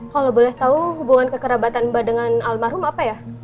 kalau boleh tahu hubungan kekerabatan mbak dengan almarhum apa ya